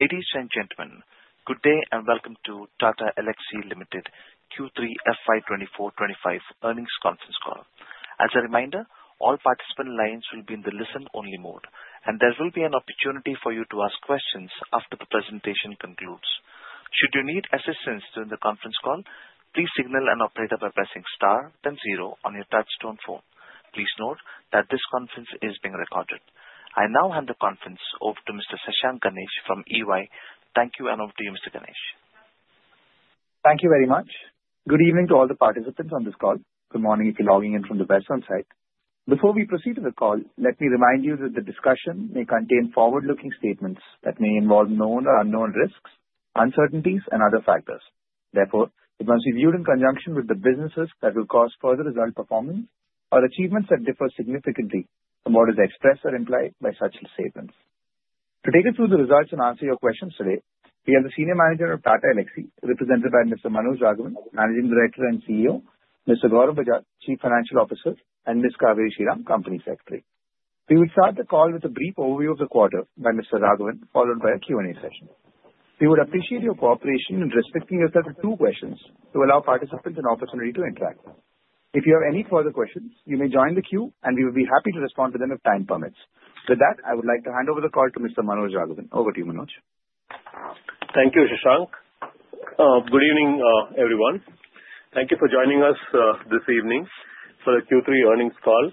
Ladies and gentlemen, good day and welcome to Tata Elxsi Limited Q3 FY 2024-2025 Earnings Conference Call. As a reminder, all participant lines will be in the listen-only mode, and there will be an opportunity for you to ask questions after the presentation concludes. Should you need assistance during the conference call, please signal an operator by pressing star, then zero on your touch-tone phone. Please note that this conference is being recorded. I now hand the conference over to Mr. Shashank Ganesh from EY. Thank you, and over to you, Mr. Ganesh. Thank you very much. Good evening to all the participants on this call. Good morning if you're logging in from the Western side. Before we proceed to the call, let me remind you that the discussion may contain forward-looking statements that may involve known or unknown risks, uncertainties, and other factors. Therefore, it must be viewed in conjunction with the business risk that will cause further result performance or achievements that differ significantly from what is expressed or implied by such statements. To take you through the results and answer your questions today, we have the senior manager of Tata Elxsi, represented by Mr. Manoj Raghavan, Managing Director and CEO, Mr. Gaurav Bajaj, Chief Financial Officer, and Ms. Cauveri Sriram, Company Secretary. We will start the call with a brief overview of the quarter by Mr. Raghavan, followed by a Q&A session. We would appreciate your cooperation in restricting yourself to two questions to allow participants an opportunity to interact. If you have any further questions, you may join the queue, and we will be happy to respond to them if time permits. With that, I would like to hand over the call to Mr. Manoj Raghavan. Over to you, Manoj. Thank you, Shashank. Good evening, everyone. Thank you for joining us this evening for the Q3 earnings call,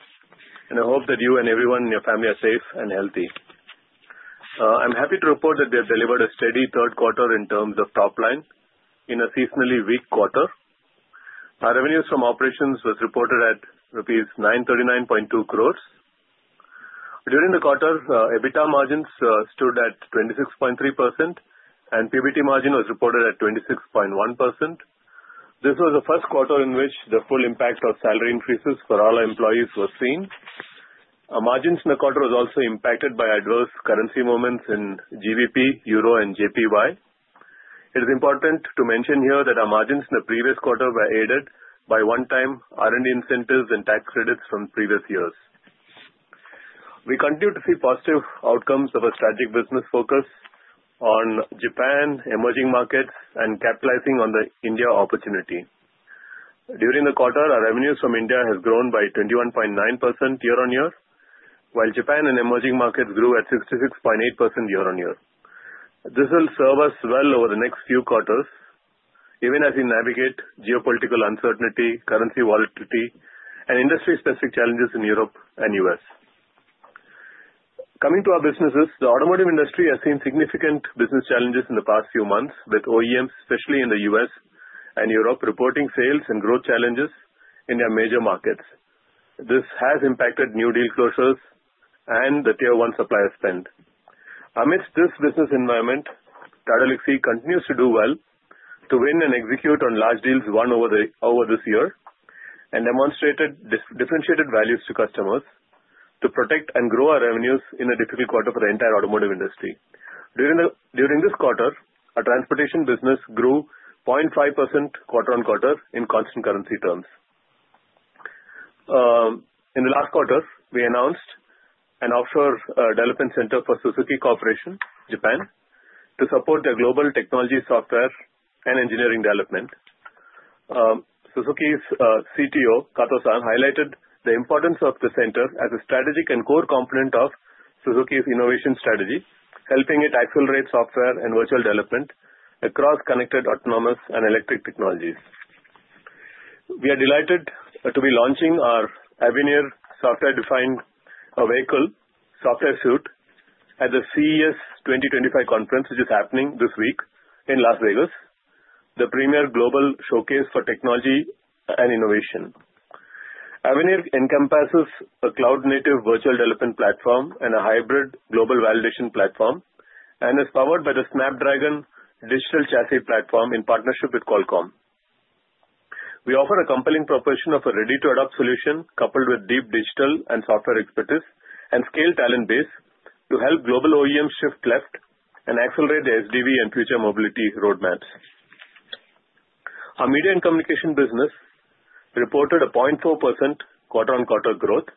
and I hope that you and everyone and your family are safe and healthy. I'm happy to report that we have delivered a steady third quarter in terms of top line in a seasonally weak quarter. Our revenues from operations were reported at rupees 939.2 crores. During the quarter, EBITDA margins stood at 26.3%, and PBT margin was reported at 26.1%. This was the first quarter in which the full impact of salary increases for all employees was seen. Our margins in the quarter were also impacted by adverse currency movements in GBP, EUR, and JPY. It is important to mention here that our margins in the previous quarter were aided by one-time R&D incentives and tax credits from previous years. We continue to see positive outcomes of a strategic business focus on Japan, emerging markets, and capitalizing on the India opportunity. During the quarter, our revenues from India have grown by 21.9% year-on-year, while Japan and emerging markets grew at 66.8% year-on-year. This will serve us well over the next few quarters, even as we navigate geopolitical uncertainty, currency volatility, and industry-specific challenges in Europe and the U.S.. Coming to our businesses, the automotive industry has seen significant business challenges in the past few months, with OEMs, especially in the U.S. and Europe, reporting sales and growth challenges in their major markets. This has impacted new deal closures and the Tier 1 supplier spend. Amidst this business environment, Tata Elxsi continues to do well to win and execute on large deals won over this year and demonstrated differentiated values to customers to protect and grow our revenues in a difficult quarter for the entire automotive industry. During this quarter, our transportation business grew 0.5% quarter-on-quarter in constant currency terms. In the last quarter, we announced an offshore development center for Suzuki Corporation, Japan, to support their global technology, software, and engineering development. Suzuki's CTO, Kato San, highlighted the importance of the center as a strategic and core component of Suzuki's innovation strategy, helping it accelerate software and virtual development across connected autonomous and electric technologies. We are delighted to be launching our AVENIR Software-Defined Vehicle software suite at the CES 2025 conference, which is happening this week in Las Vegas, the premier global showcase for technology and innovation. AVENIR encompasses a cloud-native virtual development platform and a hybrid global validation platform, and is powered by the Snapdragon Digital Chassis platform in partnership with Qualcomm. We offer a compelling proposition of a ready-to-adopt solution coupled with deep digital and software expertise and scaled talent base to help global OEMs shift left and accelerate their SDV and future mobility roadmaps. Our media and communication business reported a 0.4% quarter-on-quarter growth.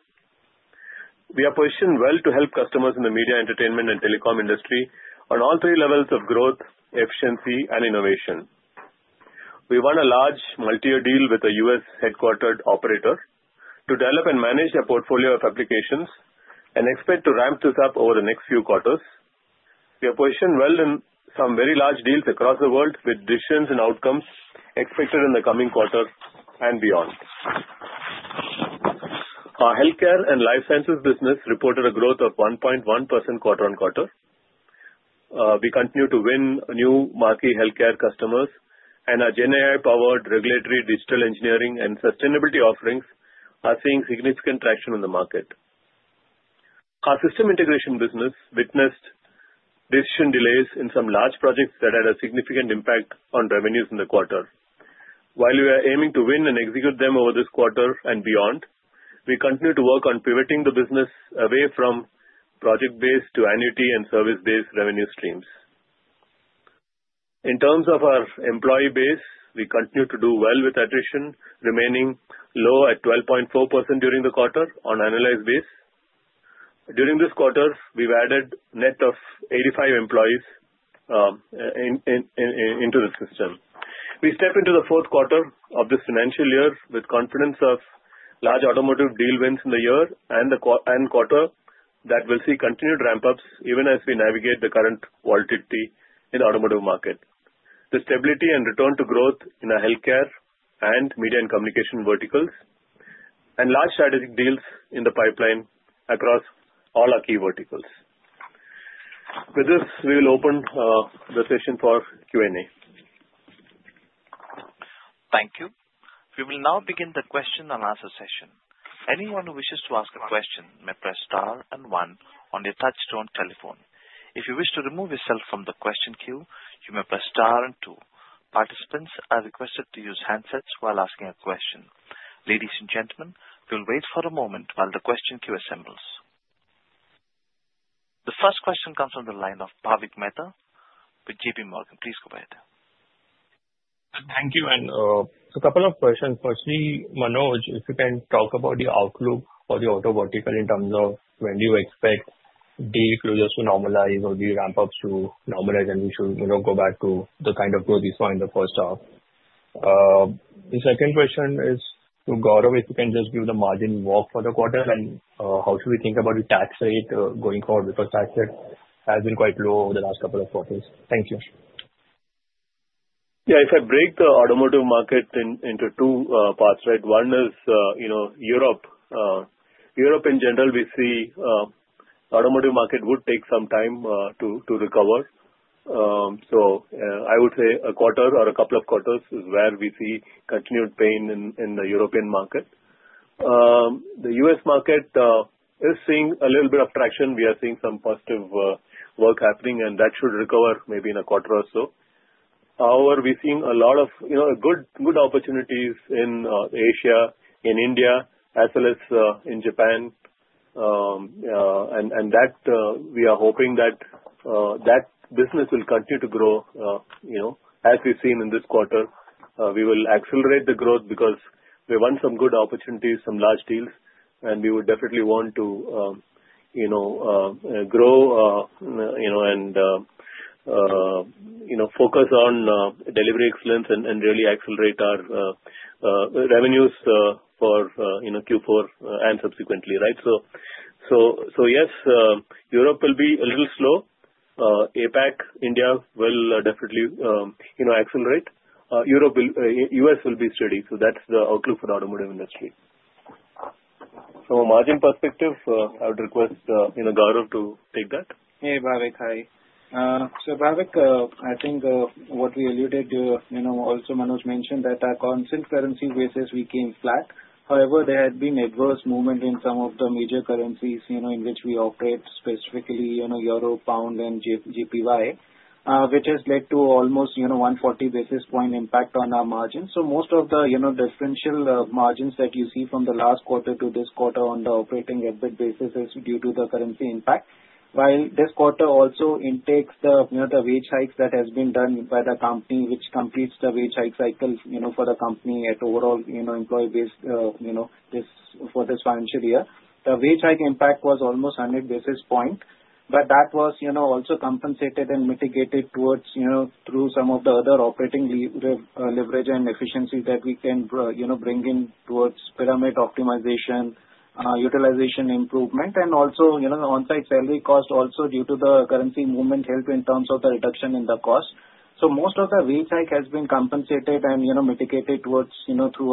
We are positioned well to help customers in the media, entertainment, and telecom industry on all three levels of growth, efficiency, and innovation. We won a large multi-year deal with a U.S.-headquartered operator to develop and manage a portfolio of applications and expect to ramp this up over the next few quarters. We are positioned well in some very large deals across the world with decisions and outcomes expected in the coming quarter and beyond. Our healthcare and life sciences business reported a growth of 1.1% quarter-on-quarter. We continue to win new marquee healthcare customers, and our GenAI-powered regulatory digital engineering and sustainability offerings are seeing significant traction in the market. Our system integration business witnessed decision delays in some large projects that had a significant impact on revenues in the quarter. While we are aiming to win and execute them over this quarter and beyond, we continue to work on pivoting the business away from project-based to annuity and service-based revenue streams. In terms of our employee base, we continue to do well with attrition, remaining low at 12.4% during the quarter on annualized basis. During this quarter, we've added a net of 85 employees into the system. We step into the fourth quarter of this financial year with confidence of large automotive deal wins in the year and the quarter that will see continued ramp-ups even as we navigate the current volatility in the automotive market, the stability and return to growth in our healthcare and media and communication verticals, and large strategic deals in the pipeline across all our key verticals. With this, we will open the session for Q&A. Thank you. We will now begin the question-and-answer session. Anyone who wishes to ask a question may press star and one on your touch-tone telephone. If you wish to remove yourself from the question queue, you may press star and two. Participants are requested to use handsets while asking a question. Ladies and gentlemen, we'll wait for a moment while the question queue assembles. The first question comes from the line of Bhavik Mehta with JPMorgan. Please go ahead. Thank you. And a couple of questions. Firstly, Manoj, if you can talk about the outlook for the auto vertical in terms of when do you expect deal closures to normalize or deal ramp-ups to normalize, and we should go back to the kind of growth we saw in the first half. The second question is to Gaurav, if you can just give the margin walk for the quarter, and how should we think about the tax rate going forward because tax rate has been quite low over the last couple of quarters. Thank you. Yeah, if I break the automotive market into two parts, right? One is Europe. Europe in general, we see the automotive market would take some time to recover. So I would say a quarter or a couple of quarters is where we see continued pain in the European market. The U.S. market is seeing a little bit of traction. We are seeing some positive work happening, and that should recover maybe in a quarter or so. However, we're seeing a lot of good opportunities in Asia, in India, as well as in Japan. And we are hoping that that business will continue to grow as we've seen in this quarter. We will accelerate the growth because we want some good opportunities, some large deals, and we would definitely want to grow and focus on delivery excellence and really accelerate our revenues for Q4 and subsequently, right? So yes, Europe will be a little slow. APAC, India will definitely accelerate. U.S. will be steady. So that's the outlook for the automotive industry. From a margin perspective, I would request Gaurav to take that. Hey, Bhavik. Hi, so Bhavik, I think what we alluded to, also Manoj mentioned that our constant currency basis became flat. However, there had been adverse movement in some of the major currencies in which we operate, specifically Euro, Pound, and JPY, which has led to almost 140 basis points impact on our margins. So most of the differential margins that you see from the last quarter to this quarter on the operating EBIT basis is due to the currency impact, while this quarter also includes the wage hikes that have been done by the company, which completes the wage hike cycle for the company at overall employee base for this financial year. The wage hike impact was almost 100 basis points, but that was also compensated and mitigated through some of the other operating leverage and efficiencies that we can bring in towards pyramid optimization, utilization improvement, and also onsite salary cost also due to the currency movement helped in terms of the reduction in the cost. So most of the wage hike has been compensated and mitigated through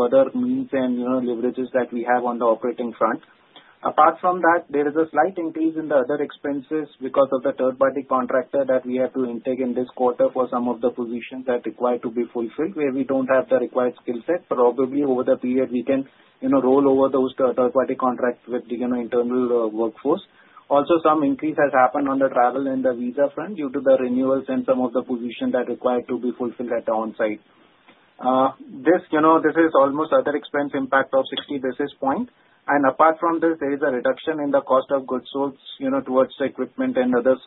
other means and leverages that we have on the operating front. Apart from that, there is a slight increase in the other expenses because of the third-party contractor that we have to intake in this quarter for some of the positions that require to be fulfilled, where we don't have the required skill set. Probably over the period, we can roll over those third-party contracts with the internal workforce. Also, some increase has happened on the travel and the visa front due to the renewals and some of the positions that require to be fulfilled at the onsite. This is almost other expense impact of 60 basis points. And apart from this, there is a reduction in the cost of goods sold towards equipment and others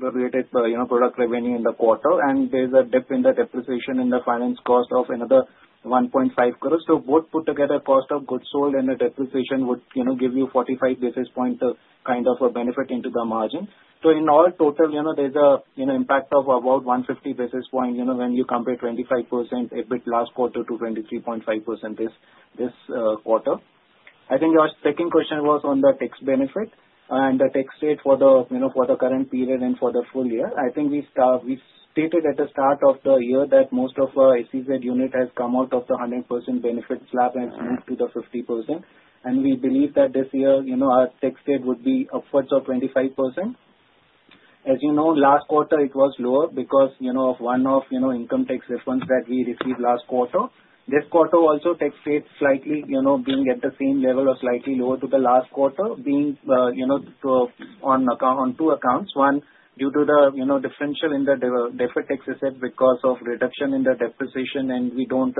related to product revenue in the quarter, and there is a dip in the depreciation in the finance cost of another 1.5 crores. So both put together, cost of goods sold and the depreciation would give you 45 basis points kind of a benefit into the margin. So in all total, there's an impact of about 150 basis points when you compare 25% EBIT last quarter to 23.5% this quarter. I think your second question was on the tax benefit and the tax rate for the current period and for the full year. I think we stated at the start of the year that most of our SEZ unit has come out of the 100% benefit slab and has moved to the 50%, and we believe that this year our tax rate would be upwards of 25%. As you know, last quarter, it was lower because of one of the income tax refunds that we received last quarter. This quarter also, tax rate slightly being at the same level or slightly lower to the last quarter being on two accounts. One, due to the differential in the deferred tax asset because of reduction in the depreciation, and we don't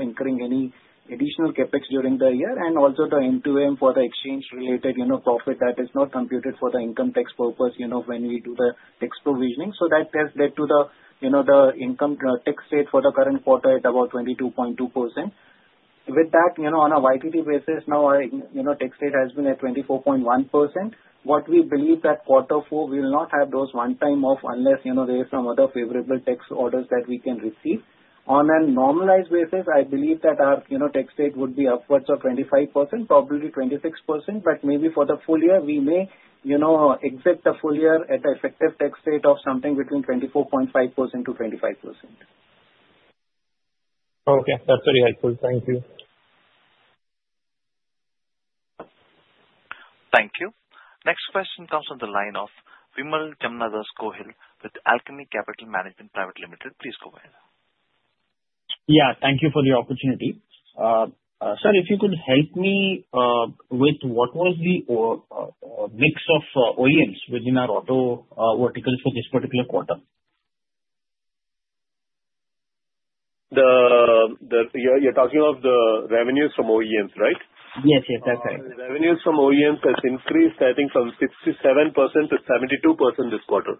incurring any additional CapEx during the year, and also the end-to-end for the exchange-related profit that is not computed for the income tax purpose when we do the tax provisioning. So that has led to the income tax rate for the current quarter at about 22.2%. With that, on a YTD basis, now our tax rate has been at 24.1%. What we believe that quarter four will not have those one-time off unless there are some other favorable tax orders that we can receive. On a normalized basis, I believe that our tax rate would be upwards of 25%, probably 26%, but maybe for the full year, we may exit the full year at an effective tax rate of something between 24.5%-25%. Okay. That's very helpful. Thank you. Thank you. Next question comes from the line of Vimal Gohil with Alchemy Capital Management Pvt Ltd. Please go ahead. Yeah. Thank you for the opportunity. Sir, if you could help me with what was the mix of OEMs within our auto verticals for this particular quarter? You're talking of the revenues from OEMs, right? Yes, yes. That's right. The revenues from OEMs has increased, I think, from 67% to 72% this quarter.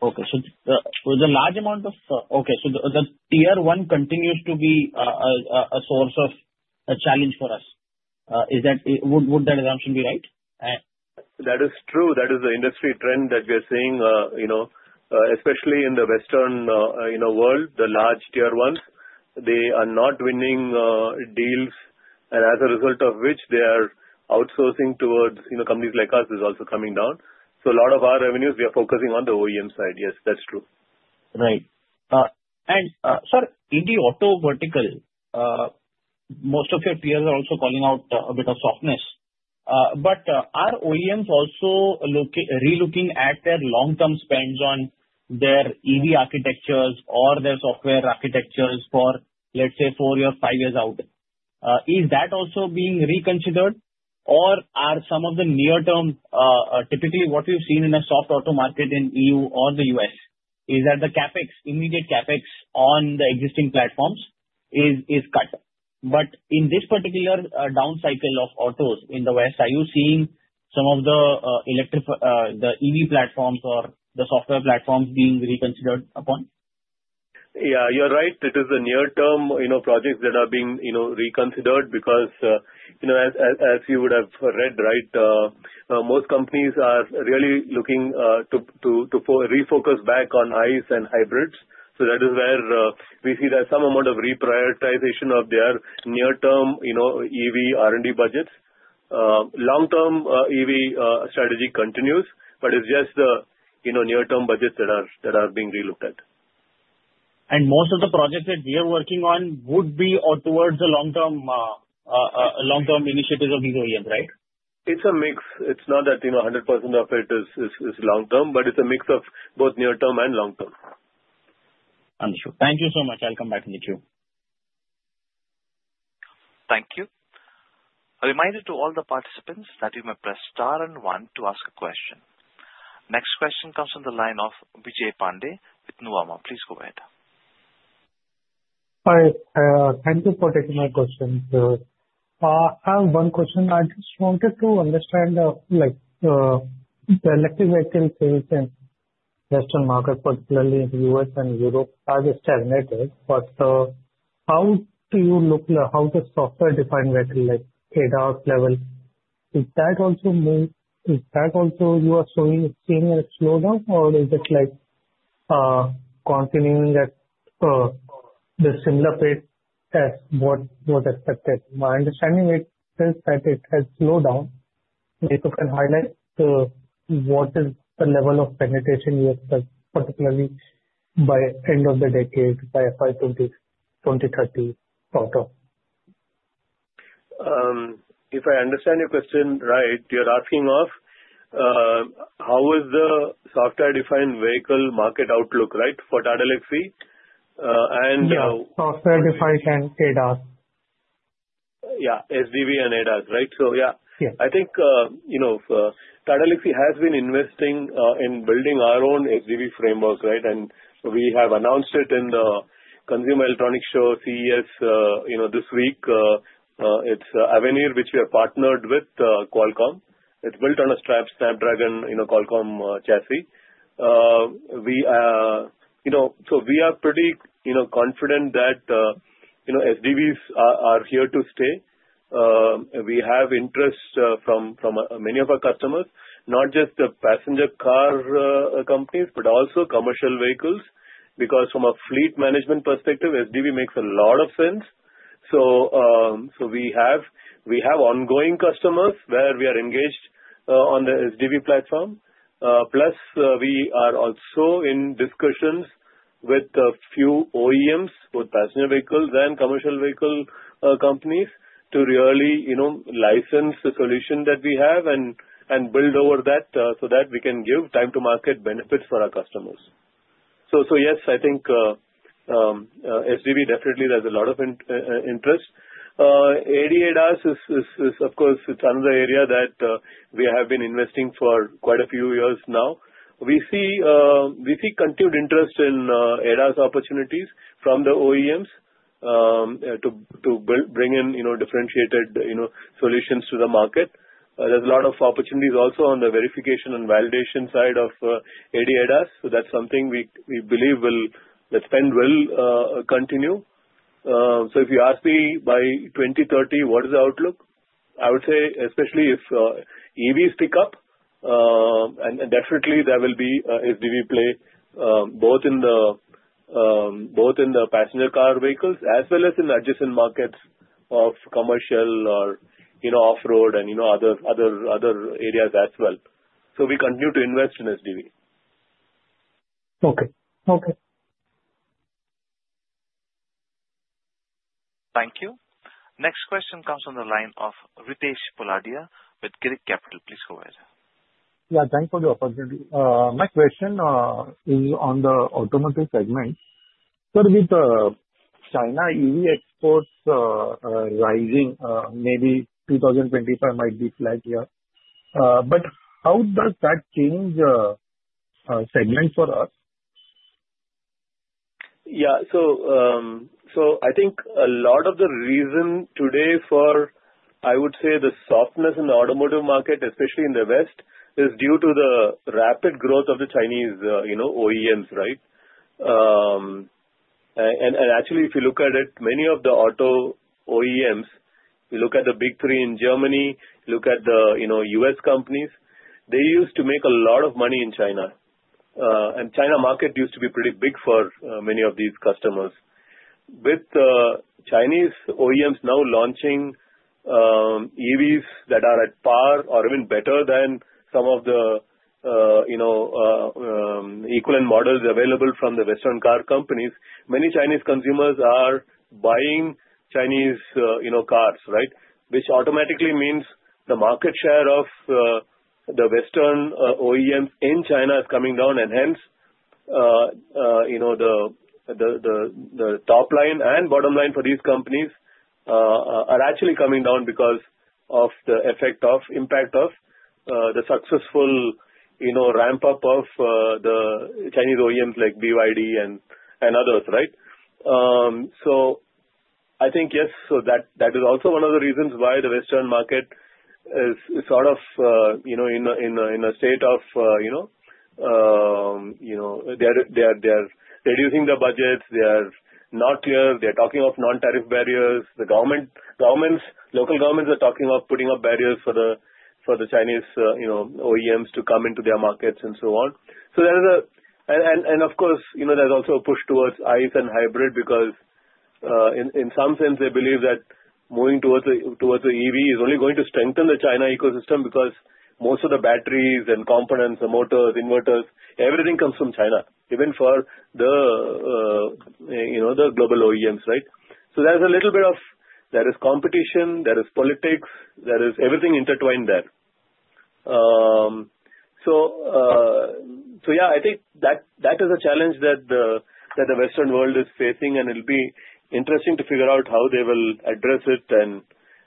The Tier 1 continues to be a source of a challenge for us. Would that assumption be right? That is true. That is the industry trend that we are seeing, especially in the Western world, the large Tier 1s. They are not winning deals, and as a result of which, they are outsourcing towards companies like us is also coming down. So a lot of our revenues, we are focusing on the OEM side. Yes, that's true. Right. And sir, in the auto vertical, most of your peers are also calling out a bit of softness. But are OEMs also relooking at their long-term spends on their EV architectures or their software architectures for, let's say, four years, five years out? Is that also being reconsidered, or are some of the near-term typically what we've seen in a soft auto market in the E.U. or the U.S., is that the CapEx, immediate CapEx on the existing platforms is cut? But in this particular down cycle of autos in the West, are you seeing some of the EV platforms or the software platforms being reconsidered upon? Yeah. You're right. It is the near-term projects that are being reconsidered because, as you would have read, right, most companies are really looking to refocus back on ICE and hybrids. So that is where we see that some amount of reprioritization of their near-term EV R&D budgets. Long-term EV strategy continues, but it's just the near-term budgets that are being relooked at. And most of the projects that we are working on would be towards the long-term initiatives of these OEMs, right? It's a mix. It's not that 100% of it is long-term, but it's a mix of both near-term and long-term. Understood. Thank you so much. I'll come back to the queue. Thank you. A reminder to all the participants that you may press star and one to ask a question. Next question comes from the line of Vijay Pandey with Nuvama. Please go ahead. Hi. Thank you for taking my question. I have one question. I just wanted to understand the electric vehicle sales in the Western market, particularly in the U.S. and Europe, has stagnated. But how do you look how the software-defined vehicle like ADAS level, is that also you are seeing a slowdown, or is it continuing at the similar pace as was expected? My understanding is that it has slowed down. If you can highlight what is the level of penetration you expect, particularly by end of the decade, by FY 2030 sort of? If I understand your question right, you're asking of how is the software-defined vehicle market outlook, right, for Tata Elxsi and. Yes. Software-defined and ADAS. Yeah. SDV and ADAS, right? So yeah. I think Tata Elxsi has been investing in building our own SDV framework, right? And we have announced it in the Consumer Electronics Show, CES this week. It's AVENIR, which we are partnered with Qualcomm. It's built on a Snapdragon Digital Chassis. So we are pretty confident that SDVs are here to stay. We have interest from many of our customers, not just the passenger car companies, but also commercial vehicles because from a fleet management perspective, SDV makes a lot of sense. So we have ongoing customers where we are engaged on the SDV platform. Plus, we are also in discussions with a few OEMs, both passenger vehicles and commercial vehicle companies, to really license the solution that we have and build over that so that we can give time-to-market benefits for our customers. So yes, I think SDV definitely has a lot of interest. ADAS is, of course, another area that we have been investing for quite a few years now. We see continued interest in ADAS opportunities from the OEMs to bring in differentiated solutions to the market. There's a lot of opportunities also on the verification and validation side of ADAS. So that's something we believe spending will continue. So if you ask me by 2030, what is the outlook, I would say, especially if EVs pick up, and definitely there will be SDV play both in the passenger car vehicles as well as in adjacent markets of commercial or off-road and other areas as well. So we continue to invest in SDV. Okay. Okay. Thank you. Next question comes from the line of Ritesh Poladia with Girik Capital. Please go ahead. Yeah. Thanks for the opportunity. My question is on the automotive segment. So with China EV exports rising, maybe 2025 might be flagged here. But how does that change segment for us? Yeah. So I think a lot of the reason today for, I would say, the softness in the automotive market, especially in the West, is due to the rapid growth of the Chinese OEMs, right? And actually, if you look at it, many of the auto OEMs, you look at the big three in Germany, you look at the U.S. companies, they used to make a lot of money in China. And China market used to be pretty big for many of these customers. With Chinese OEMs now launching EVs that are at par or even better than some of the equivalent models available from the Western car companies, many Chinese consumers are buying Chinese cars, right? Which automatically means the market share of the Western OEMs in China is coming down, and hence the top line and bottom line for these companies are actually coming down because of the effect of impact of the successful ramp-up of the Chinese OEMs like BYD and others, right? So I think, yes. So that is also one of the reasons why the Western market is sort of in a state of they are reducing their budgets. They are not clear. They are talking of non-tariff barriers. The local governments are talking of putting up barriers for the Chinese OEMs to come into their markets and so on. There is, and of course, there's also a push towards ICE and hybrid because in some sense, they believe that moving towards the EV is only going to strengthen the China ecosystem because most of the batteries and components, the motors, inverters, everything comes from China, even for the global OEMs, right? There's a little bit of competition. There is politics. There is everything intertwined there. Yeah, I think that is a challenge that the Western world is facing, and it'll be interesting to figure out how they will address it.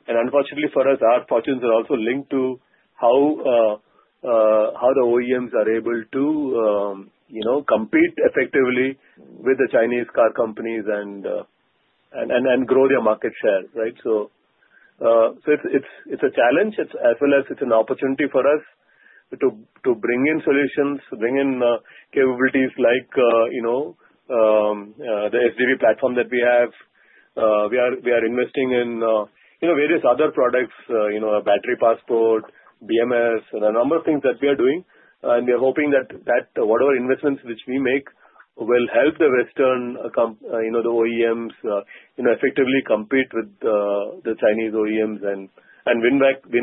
Unfortunately for us, our fortunes are also linked to how the OEMs are able to compete effectively with the Chinese car companies and grow their market share, right? So it's a challenge as well as it's an opportunity for us to bring in solutions, bring in capabilities like the SDV platform that we have. We are investing in various other products, Battery Passport, BMS, and a number of things that we are doing. And we are hoping that whatever investments which we make will help the Western, the OEMs effectively compete with the Chinese OEMs and win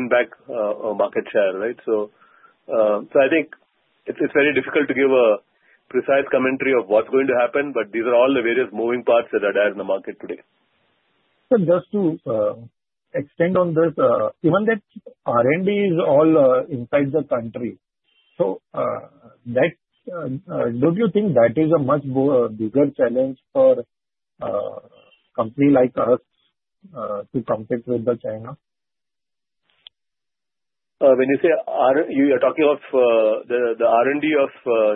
back market share, right? So I think it's very difficult to give a precise commentary of what's going to happen, but these are all the various moving parts that are there in the market today. So just to extend on this, given that R&D is all inside the country, so don't you think that is a much bigger challenge for a company like us to compete with China? When you say you are talking of the R&D of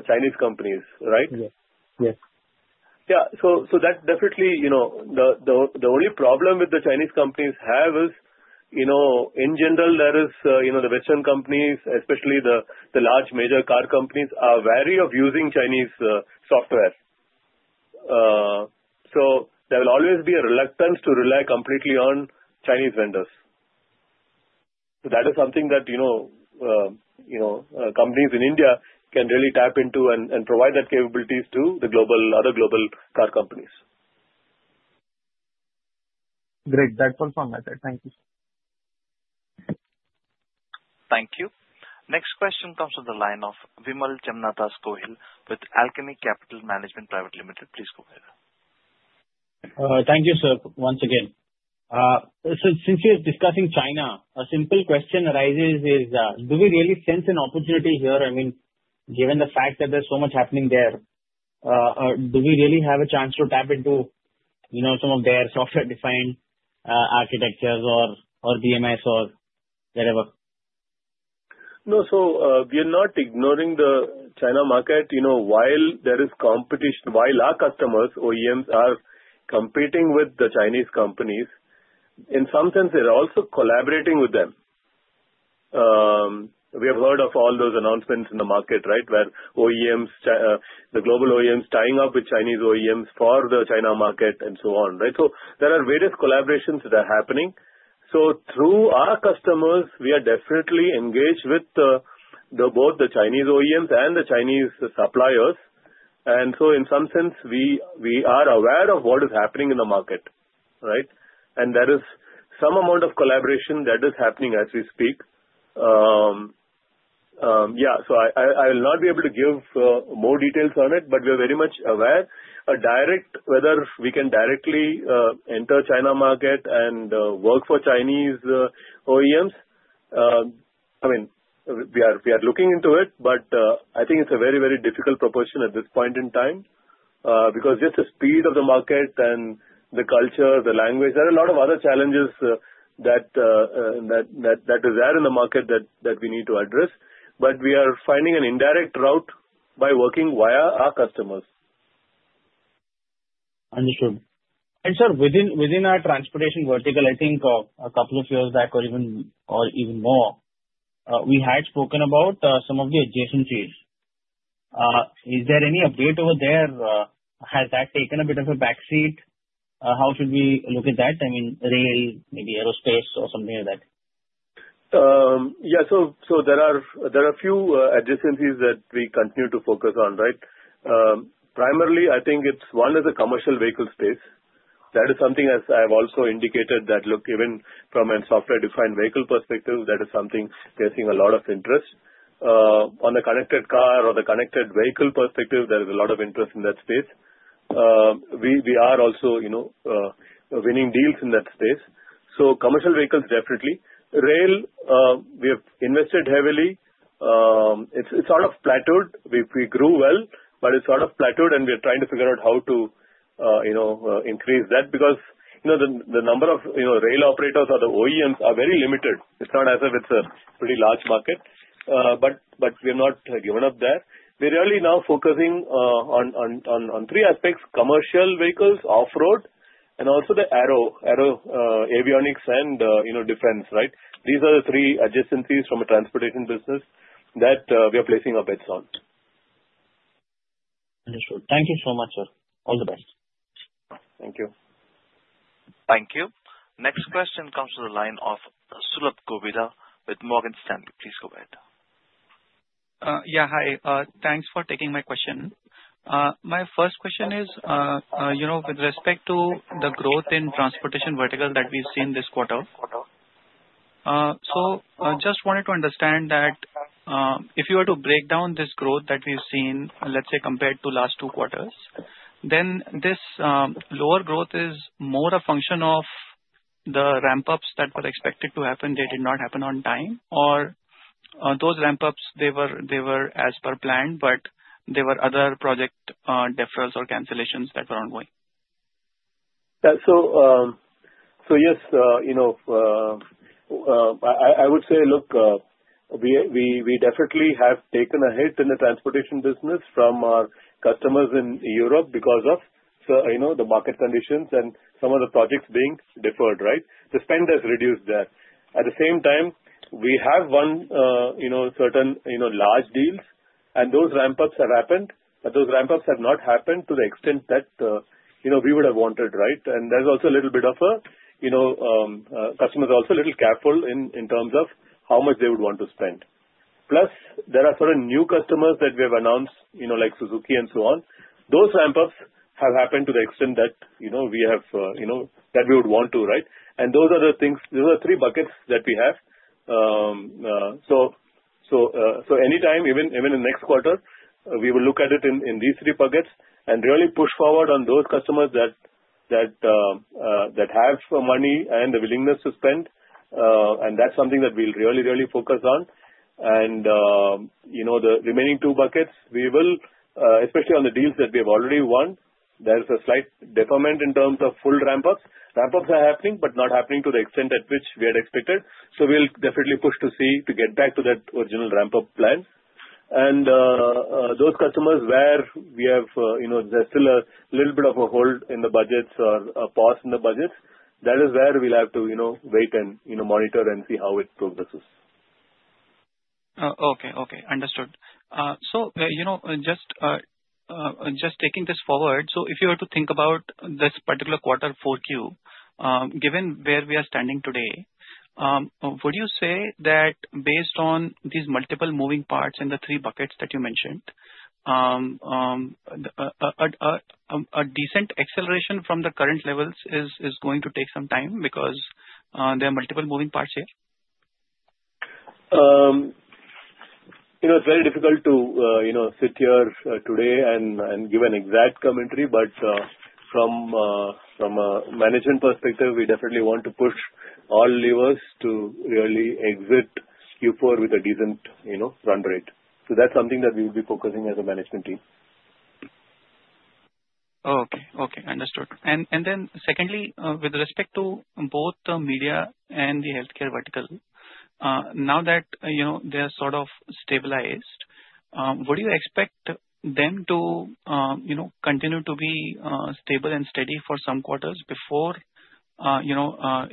Chinese companies, right? Yes. Yes. Yeah, so that's definitely the only problem that the Chinese companies have is, in general, there is the Western companies, especially the large major car companies, are wary of using Chinese software, so there will always be a reluctance to rely completely on Chinese vendors, so that is something that companies in India can really tap into and provide that capabilities to the other global car companies. Great. That was all from my side. Thank you. Thank you. Next question comes from the line of Vimal Gohil with Alchemy Capital Management Pvt Ltd. Please go ahead. Thank you, sir, once again. So since we are discussing China, a simple question arises: is do we really sense an opportunity here? I mean, given the fact that there's so much happening there, do we really have a chance to tap into some of their software-defined architectures or BMS or whatever? No. So we are not ignoring the China market. While there is competition, while our customers, OEMs, are competing with the Chinese companies, in some sense, they're also collaborating with them. We have heard of all those announcements in the market, right, where the global OEMs are tying up with Chinese OEMs for the China market and so on, right? So there are various collaborations that are happening. So through our customers, we are definitely engaged with both the Chinese OEMs and the Chinese suppliers. And so in some sense, we are aware of what is happening in the market, right? And there is some amount of collaboration that is happening as we speak. Yeah. So I will not be able to give more details on it, but we are very much aware, whether we can directly enter the China market and work for Chinese OEMs. I mean, we are looking into it, but I think it's a very, very difficult proposition at this point in time because just the speed of the market and the culture, the language, there are a lot of other challenges that are there in the market that we need to address. But we are finding an indirect route by working via our customers. Understood. Sir, within our transportation vertical, I think a couple of years back or even more, we had spoken about some of the adjacencies. Is there any update over there? Has that taken a bit of a backseat? How should we look at that? I mean, rail, maybe aerospace or something like that. Yeah. So there are a few adjacencies that we continue to focus on, right? Primarily, I think one is the commercial vehicle space. That is something, as I've also indicated, that look, even from a software-defined vehicle perspective, that is something we are seeing a lot of interest. On the connected car or the connected vehicle perspective, there is a lot of interest in that space. We are also winning deals in that space. So commercial vehicles, definitely. Rail, we have invested heavily. It's sort of plateaued. We grew well, but it's sort of plateaued, and we are trying to figure out how to increase that because the number of rail operators or the OEMs are very limited. It's not as if it's a pretty large market, but we have not given up there. We're really now focusing on three aspects: commercial vehicles, off-road, and also the aero, avionics, and defense, right? These are the three adjacencies from a transportation business that we are placing our bets on. Understood. Thank you so much, sir. All the best. Thank you. Thank you. Next question comes from the line of Sulabh Govila with Morgan Stanley. Please go ahead. Yeah. Hi. Thanks for taking my question. My first question is, with respect to the growth in transportation vertical that we've seen this quarter, so I just wanted to understand that if you were to break down this growth that we've seen, let's say, compared to last two quarters, then this lower growth is more a function of the ramp-ups that were expected to happen. They did not happen on time, or those ramp-ups, they were as per planned, but there were other project deferrals or cancellations that were ongoing? Yes, I would say, look, we definitely have taken a hit in the transportation business from our customers in Europe because of the market conditions and some of the projects being deferred, right? The spend has reduced there. At the same time, we have won certain large deals, and those ramp-ups have happened, but those ramp-ups have not happened to the extent that we would have wanted, right? And there's also a little bit. Customers are also a little careful in terms of how much they would want to spend. Plus, there are certain new customers that we have announced, like Suzuki and so on. Those ramp-ups have happened to the extent that we would want to, right? And those are the things. Those are three buckets that we have. So, anytime, even in the next quarter, we will look at it in these three buckets and really push forward on those customers that have money and the willingness to spend. And that's something that we'll really, really focus on. And the remaining two buckets, we will, especially on the deals that we have already won, there is a slight deferment in terms of full ramp-ups. Ramp-ups are happening, but not happening to the extent at which we had expected. So we'll definitely push to see to get back to that original ramp-up plan. And those customers where we have there's still a little bit of a hold in the budgets or a pause in the budgets, that is where we'll have to wait and monitor and see how it progresses. Okay. Okay. Understood. So just taking this forward, so if you were to think about this particular quarter, 4Q, given where we are standing today, would you say that based on these multiple moving parts in the three buckets that you mentioned, a decent acceleration from the current levels is going to take some time because there are multiple moving parts here? It's very difficult to sit here today and give an exact commentary, but from a management perspective, we definitely want to push all levers to really exit Q4 with a decent run rate. So that's something that we will be focusing as a management team. Okay. Okay. Understood. And then secondly, with respect to both the media and the healthcare vertical, now that they are sort of stabilized, would you expect them to continue to be stable and steady for some quarters before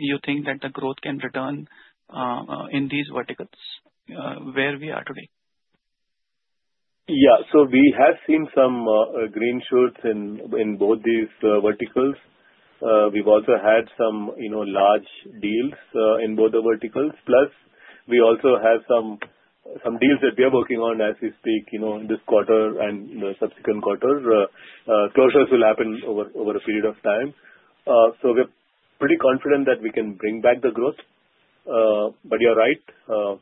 you think that the growth can return in these verticals where we are today? Yeah. So we have seen some green shoots in both these verticals. We've also had some large deals in both the verticals. Plus, we also have some deals that we are working on as we speak this quarter and the subsequent quarter. Closures will happen over a period of time. So we're pretty confident that we can bring back the growth. But you're right.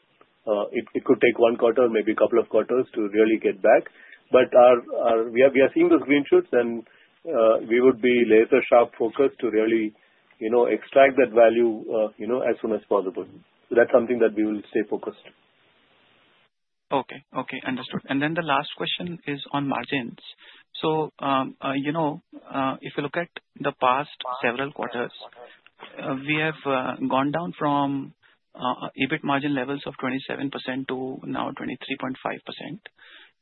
It could take one quarter, maybe a couple of quarters to really get back. But we are seeing those green shoots, and we would be laser-sharp focused to really extract that value as soon as possible. So that's something that we will stay focused on. Okay. Okay. Understood. And then the last question is on margins. So if you look at the past several quarters, we have gone down from EBIT margin levels of 27% to now 23.5%.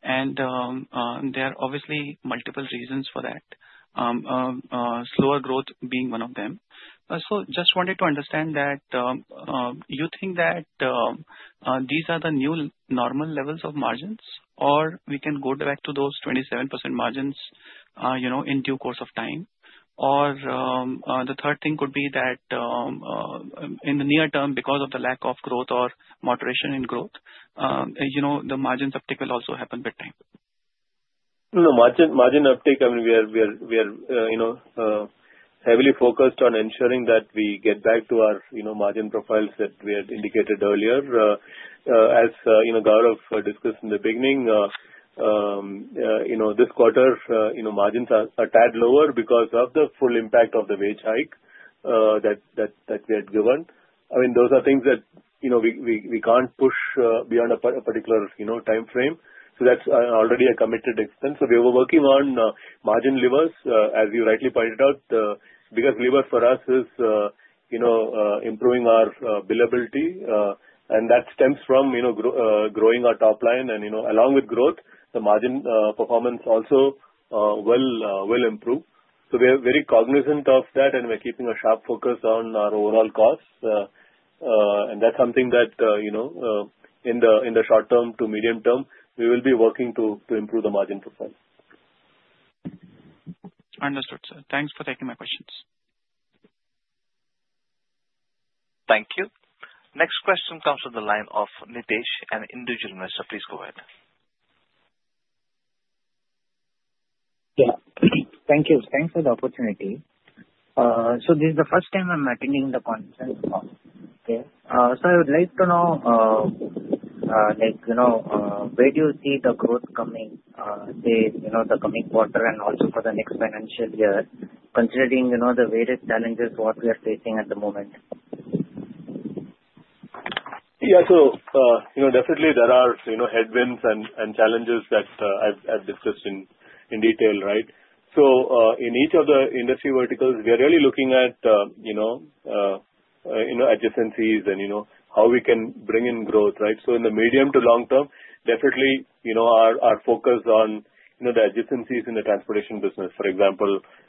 And there are obviously multiple reasons for that, slower growth being one of them. So just wanted to understand that you think that these are the new normal levels of margins, or we can go back to those 27% margins in due course of time? Or the third thing could be that in the near term, because of the lack of growth or moderation in growth, the margin uptake will also happen with time. The margin uptake, I mean, we are heavily focused on ensuring that we get back to our margin profiles that we had indicated earlier. As Gaurav discussed in the beginning, this quarter, margins are tied lower because of the full impact of the wage hike that we had given. I mean, those are things that we can't push beyond a particular time frame. So that's already a committed expense. So we were working on margin levers, as you rightly pointed out. The biggest lever for us is improving our billability, and that stems from growing our top line. And along with growth, the margin performance also will improve. So we are very cognizant of that, and we're keeping a sharp focus on our overall costs. And that's something that in the short term to medium term, we will be working to improve the margin profile. Understood, sir. Thanks for taking my questions. Thank you. Next question comes from the line of Nitesh, an individual investor. Please go ahead. Yeah. Thank you. Thanks for the opportunity. So this is the first time I'm attending the conference. So I would like to know where do you see the growth coming in the coming quarter and also for the next financial year, considering the various challenges what we are facing at the moment? Yeah. So definitely, there are headwinds and challenges that I've discussed in detail, right? So in each of the industry verticals, we are really looking at adjacencies and how we can bring in growth, right? So in the medium to long term, definitely our focus on the adjacencies in the transportation business, for example,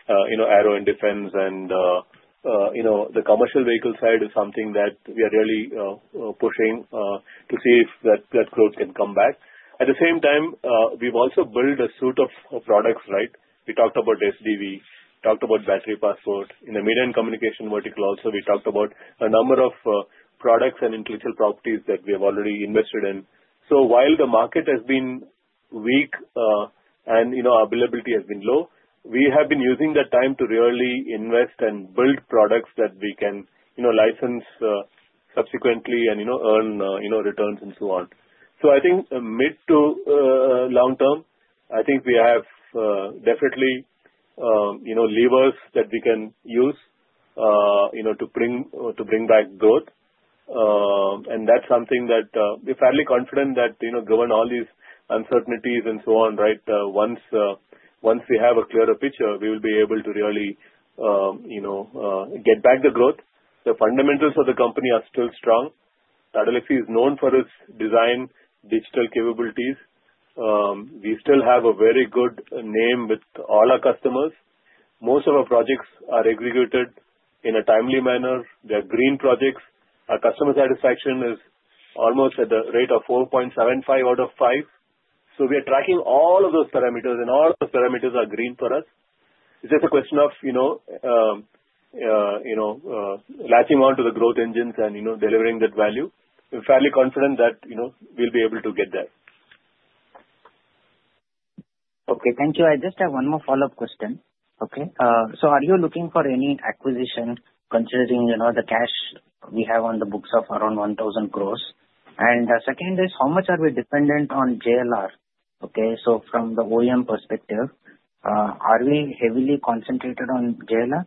aero and defense, and the commercial vehicle side is something that we are really pushing to see if that growth can come back. At the same time, we've also built a suite of products, right? We talked about SDV, talked about Battery Passport. In the media and communication vertical also, we talked about a number of products and intellectual properties that we have already invested in. So while the market has been weak and availability has been low, we have been using that time to really invest and build products that we can license subsequently and earn returns and so on. So I think mid to long term, I think we have definitely levers that we can use to bring back growth. And that's something that we're fairly confident that given all these uncertainties and so on, right, once we have a clearer picture, we will be able to really get back the growth. The fundamentals of the company are still strong. Tata Elxsi is known for its design digital capabilities. We still have a very good name with all our customers. Most of our projects are executed in a timely manner. They are green projects. Our customer satisfaction is almost at the rate of 4.75 out of 5. So we are tracking all of those parameters, and all of those parameters are green for us. It's just a question of latching on to the growth engines and delivering that value. We're fairly confident that we'll be able to get there. Okay. Thank you. I just have one more follow-up question. Okay. So are you looking for any acquisition considering the cash we have on the books of around 1,000 crores? And the second is, how much are we dependent on JLR? Okay. So from the OEM perspective, are we heavily concentrated on JLR?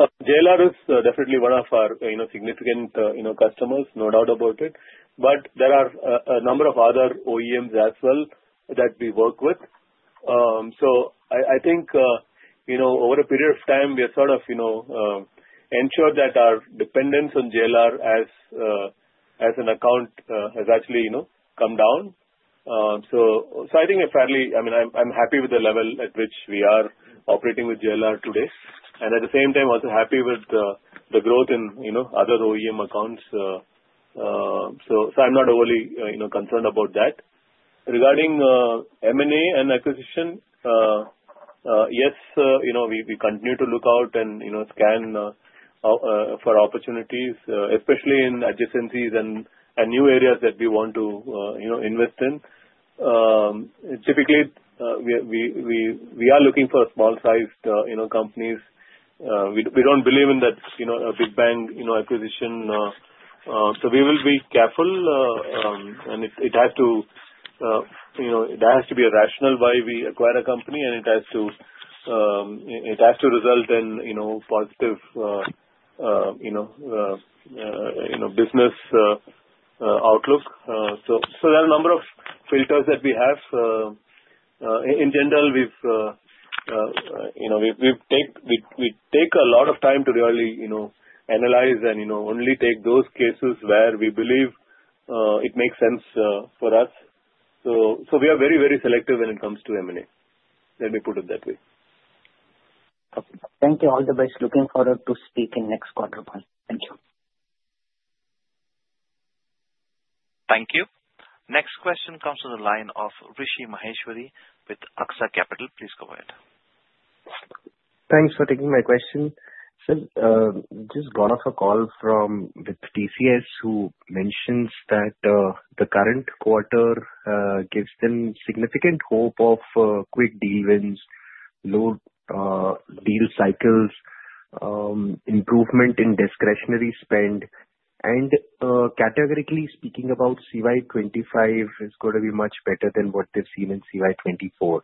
JLR is definitely one of our significant customers, no doubt about it. But there are a number of other OEMs as well that we work with. So I think over a period of time, we have sort of ensured that our dependence on JLR as an account has actually come down. So I think we're fairly I mean, I'm happy with the level at which we are operating with JLR today. And at the same time, also happy with the growth in other OEM accounts. So I'm not overly concerned about that. Regarding M&A and acquisition, yes, we continue to look out and scan for opportunities, especially in adjacencies and new areas that we want to invest in. Typically, we are looking for small-sized companies. We don't believe in that big bang acquisition. So we will be careful, and it has to be a rationale for why we acquire a company, and it has to result in positive business outlook. So there are a number of filters that we have. In general, we take a lot of time to really analyze and only take those cases where we believe it makes sense for us. So we are very, very selective when it comes to M&A. Let me put it that way. Okay. Thank you. All the best. Looking forward to speaking next quarter call. Thank you. Thank you. Next question comes from the line of Rishi Maheshwari with Aksa Capital. Please go ahead. Thanks for taking my question, sir. Just got off a call from TCS who mentions that the current quarter gives them significant hope of quick deal wins, low deal cycles, improvement in discretionary spend, and categorically speaking about CY 2025, it's going to be much better than what they've seen in CY 2024.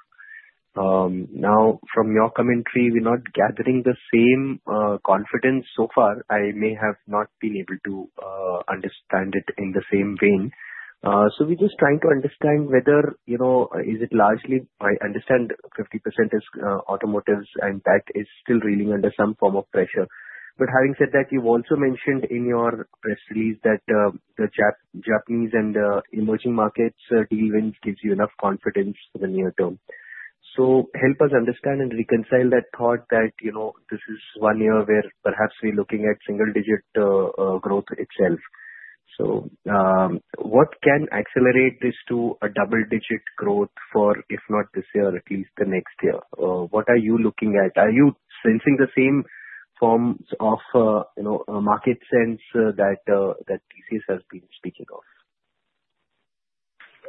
Now, from your commentary, we're not gathering the same confidence so far. I may have not been able to understand it in the same vein, so we're just trying to understand whether is it largely I understand 50% is automotives, and that is still reeling under some form of pressure, but having said that, you've also mentioned in your press release that the Japanese and emerging markets deal wins gives you enough confidence for the near term, so help us understand and reconcile that thought that this is one year where perhaps we're looking at single-digit growth itself. So what can accelerate this to a double-digit growth for, if not this year, at least the next year? What are you looking at? Are you sensing the same forms of market sense that TCS has been speaking of?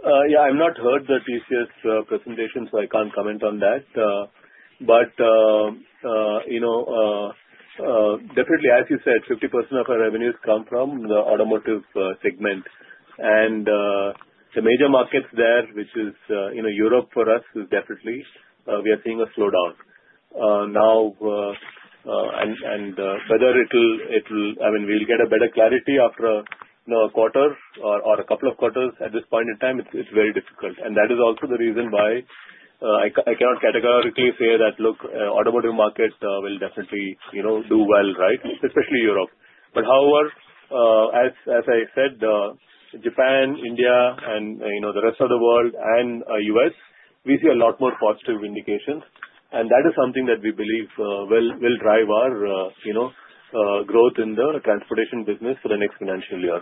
Yeah. I've not heard the TCS presentation, so I can't comment on that. But definitely, as you said, 50% of our revenues come from the automotive segment. And the major markets there, which is Europe for us, is definitely we are seeing a slowdown now. And whether it'll I mean, we'll get a better clarity after a quarter or a couple of quarters at this point in time, it's very difficult. And that is also the reason why I cannot categorically say that, "Look, the automotive market will definitely do well," right? Especially Europe. But however, as I said, Japan, India, and the rest of the world, and U.S., we see a lot more positive indications. And that is something that we believe will drive our growth in the transportation business for the next financial year.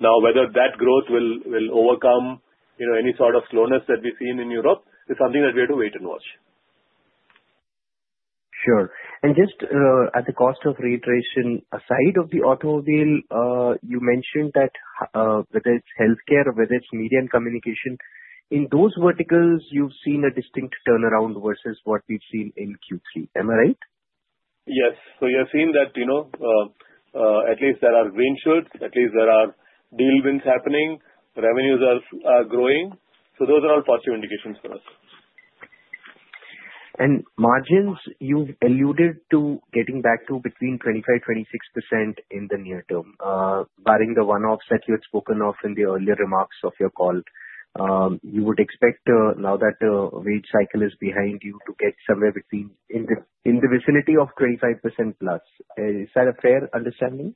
Now, whether that growth will overcome any sort of slowness that we've seen in Europe is something that we have to wait and watch. Sure. And just at the cost of reiteration, aside of the automobile, you mentioned that whether it's healthcare or whether it's media and communication, in those verticals, you've seen a distinct turnaround versus what we've seen in Q3. Am I right? Yes. So you have seen that at least there are green shoots, at least there are deal wins happening, revenues are growing. So those are all positive indications for us. Margins, you've alluded to getting back to between 25%-26% in the near term, barring the one-offs that you had spoken of in the earlier remarks of your call. You would expect now that the wage cycle is behind you to get somewhere between in the vicinity of 25% plus. Is that a fair understanding?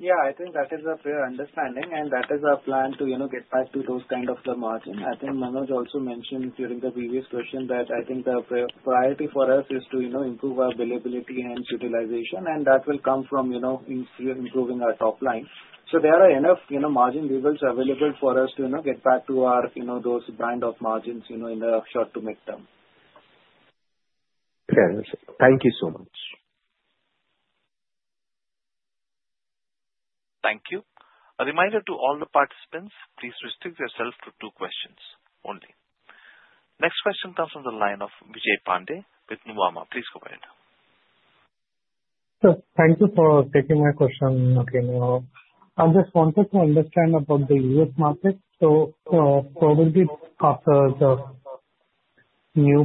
Yeah. I think that is a fair understanding, and that is our plan to get back to those kinds of margins. I think Manoj also mentioned during the previous question that I think the priority for us is to improve our billability and utilization, and that will come from improving our top line. So there are enough margin levels available for us to get back to those kinds of margins in the short to mid term. Okay. Thank you so much. Thank you. A reminder to all the participants, please restrict yourself to two questions only. Next question comes from the line of Vijay Pandey with Nuvama. Please go ahead. Sir, thank you for taking my question. I just wanted to understand about the U.S. market. So probably after the new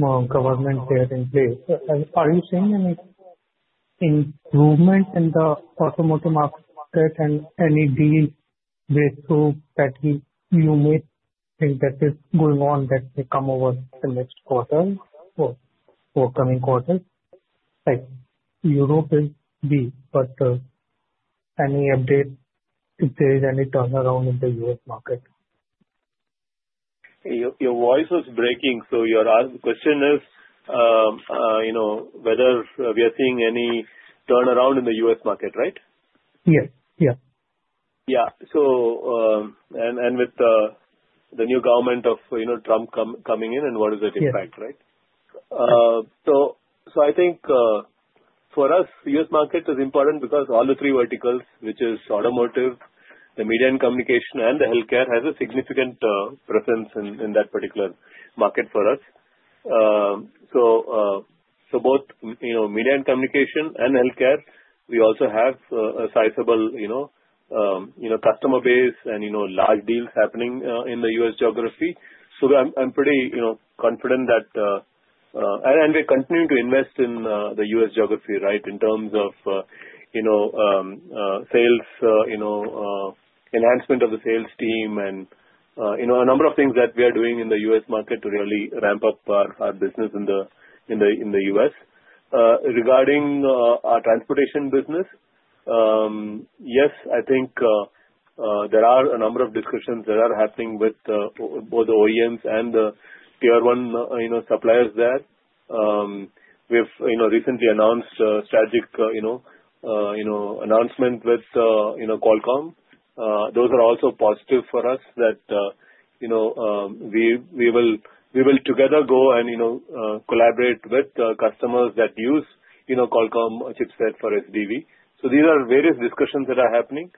government taking place, are you seeing any improvement in the automotive market and any deal breakthrough that you may think that is going on that may come over the next quarter or forthcoming quarter? Europe is big, but any update if there is any turnaround in the U.S. market? Your voice was breaking. So your question is whether we are seeing any turnaround in the U.S. market, right? Yes. Yeah. Yeah, and with the new government of Trump coming in, and what does that impact, right? So I think for us, the U.S. market is important because all the three verticals, which are automotive, the media and communication, and the healthcare, have a significant presence in that particular market for us, so both media and communication and healthcare, we also have a sizable customer base and large deals happening in the U.S. geography, so I'm pretty confident that and we're continuing to invest in the U.S. geography, right, in terms of sales, enhancement of the sales team, and a number of things that we are doing in the U.S. market to really ramp up our business in the U.S.. Regarding our transportation business, yes, I think there are a number of discussions that are happening with both the OEMs and the Tier 1 suppliers there. We have recently announced a strategic announcement with Qualcomm. Those are also positive for us that we will together go and collaborate with customers that use Qualcomm chipset for SDV. So these are various discussions that are happening.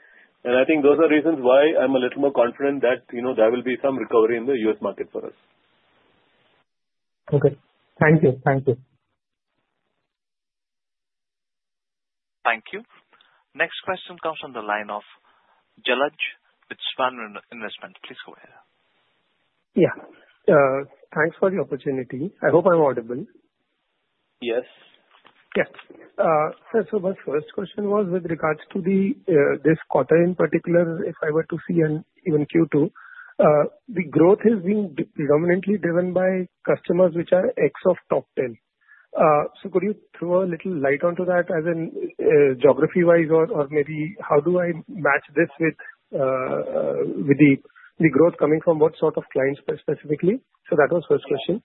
And I think those are reasons why I'm a little more confident that there will be some recovery in the U.S. market for us. Okay. Thank you. Thank you. Thank you. Next question comes from the line of Jalaj with Svan Investment. Please go ahead. Yeah. Thanks for the opportunity. I hope I'm audible. Yes. Yes. So my first question was with regards to this quarter in particular, if I were to see an even Q2, the growth has been predominantly driven by customers which are ex of top 10. So could you throw a little light onto that as in geography-wise or maybe how do I match this with the growth coming from what sort of clients specifically? So that was the first question.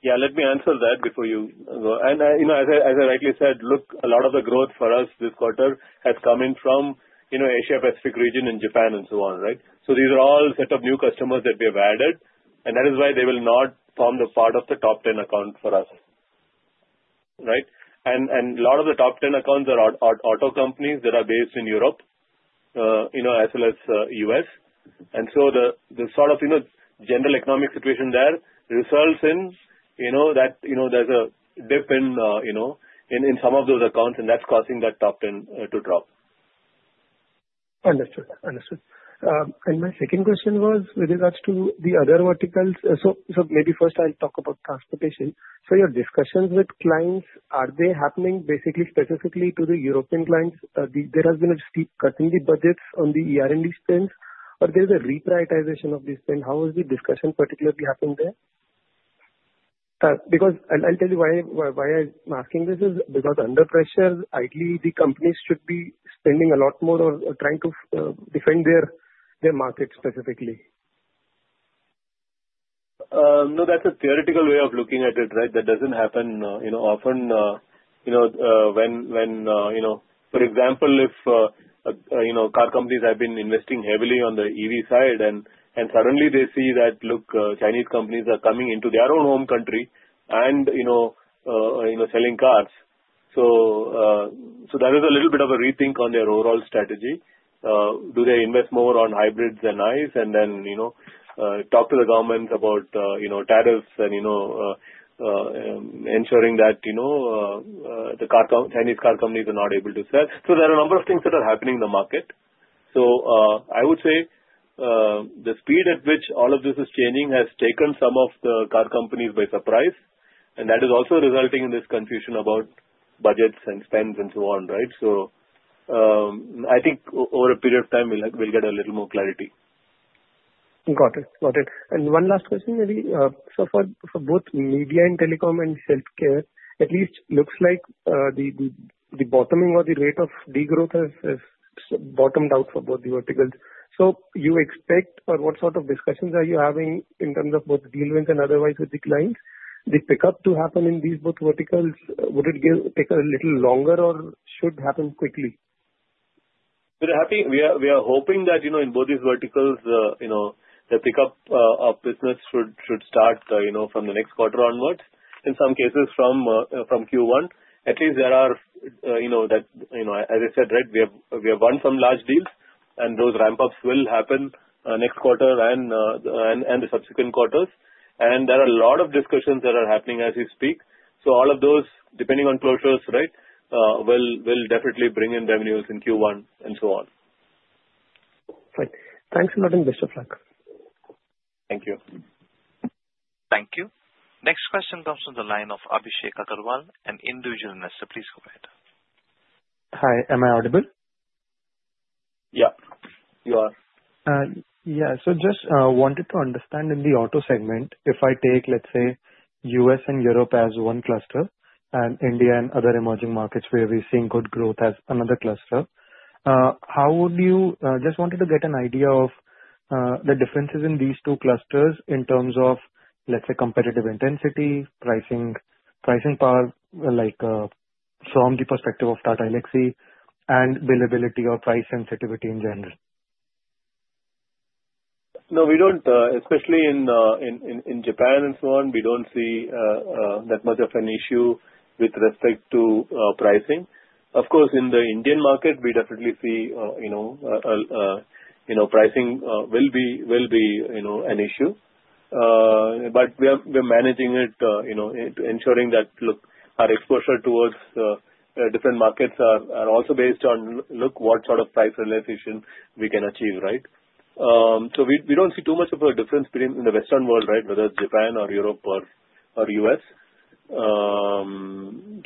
Yeah. Let me answer that before you go, and as I rightly said, look, a lot of the growth for us this quarter has come in from the Asia-Pacific region and Japan and so on, right? So these are all a set of new customers that we have added, and that is why they will not form the part of the top 10 account for us, right? A lot of the top 10 accounts are auto companies that are based in Europe as well as the U.S., and so the sort of general economic situation there results in that there's a dip in some of those accounts, and that's causing that top 10 to drop. Understood. Understood. And my second question was with regards to the other verticals. So maybe first I'll talk about transportation. So your discussions with clients, are they happening basically specifically to the European clients? There has been a steep cut in the budgets on the ER&D spend, or there's a reprioritization of the spend? How is the discussion particularly happening there? Because I'll tell you why I'm asking this is because under pressure, ideally, the companies should be spending a lot more or trying to defend their market specifically. No, that's a theoretical way of looking at it, right? That doesn't happen often when for example, if car companies have been investing heavily on the EV side and suddenly they see that, look, Chinese companies are coming into their own home country and selling cars. So that is a little bit of a rethink on their overall strategy. Do they invest more on hybrids than ICE and then talk to the governments about tariffs and ensuring that the Chinese car companies are not able to sell? So there are a number of things that are happening in the market. So I would say the speed at which all of this is changing has taken some of the car companies by surprise, and that is also resulting in this confusion about budgets and spends and so on, right? So I think over a period of time, we'll get a little more clarity. Got it. Got it. And one last question maybe. So for both media and telecom and healthcare, at least looks like the bottoming or the rate of degrowth has bottomed out for both the verticals. So you expect or what sort of discussions are you having in terms of both deal wins and otherwise with the clients? The pickup to happen in these both verticals, would it take a little longer or should happen quickly? We are hoping that in both these verticals, the pickup of business should start from the next quarter onwards. In some cases, from Q1, at least there is that, as I said, right, we have won large deals, and those ramp-ups will happen next quarter and the subsequent quarters, and there are a lot of discussions that are happening as we speak, so all of those, depending on closures, right, will definitely bring in revenues in Q1 and so on. Fine. Thanks a lot, and best of luck. Thank you. Thank you. Next question comes from the line of Abhishek Agarwal, an individual investor. Please go ahead. Hi. Am I audible? Yeah. You are. Yeah. So just wanted to understand in the auto segment, if I take, let's say, U.S. and Europe as one cluster and India and other emerging markets where we're seeing good growth as another cluster, how would you? Just wanted to get an idea of the differences in these two clusters in terms of, let's say, competitive intensity, pricing power from the perspective of Tata Elxsi, and billability or price sensitivity in general? No, we don't. Especially in Japan and so on, we don't see that much of an issue with respect to pricing. Of course, in the Indian market, we definitely see pricing will be an issue. But we're managing it, ensuring that, look, our exposure towards different markets are also based on, look, what sort of price realization we can achieve, right? So we don't see too much of a difference in the Western world, right, whether it's Japan or Europe or U.S..